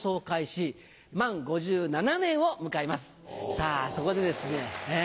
さぁそこでですね。